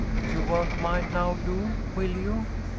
You won’t mind now Lou, will you?